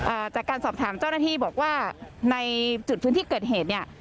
จากการสอบถามเจ้าหน้าที่บอกว่าในจุดพื้นที่เกิดเหตุเนี่ย